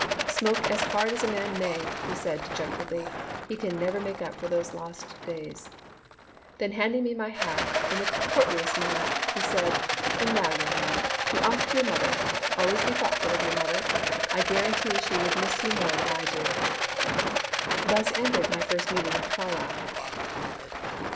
* Smoke as hard as a man may, ' he said, dejectedly, *he can never make up for those lost daj'^s! ' Then handing me my hat in the courtliest manner, he said, *And now, young man, be off to your mother. Always be thoughtful of your mother. I guarantee she would miss you more than I would do !* Thus ended my first meeting with Carlyle."